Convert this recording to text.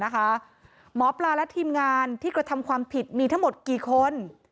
หมอปลาและทีมงานที่กระทำความผิดมีทั้งหมดกี่คน